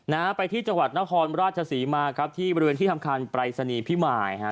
นะฮะไปที่จังหวัดนครราชศรีมาครับที่บริเวณที่ทำคันปรายศนีย์พิมายฮะ